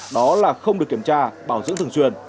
đó là không được kiểm tra bảo dưỡng thường xuyên